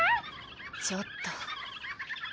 ちょっと。